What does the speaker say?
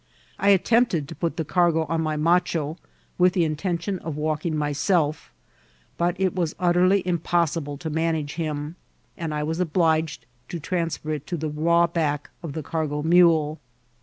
I attempted to put the cargo on my macho, with the in* tention of walking myself; but it was utterly impossible to manage him, and I was obliged to transfer it to the raw back of the cargo mule.